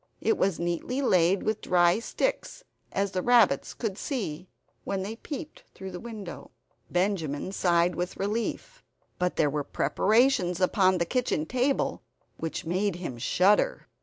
It was neatly laid with dry sticks, as the rabbits could see, when they peeped through the window. Benjamin sighed with relief. But there were preparations upon the kitchen table which made him shudder.